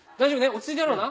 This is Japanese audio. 落ち着いてやろうな。